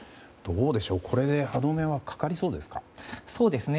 どうでしょう、これで歯止めはかかりそうですか。